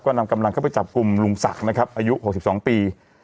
นำกำลังเข้าไปจับกลุ่มลุงศักดิ์นะครับอายุ๖๒ปี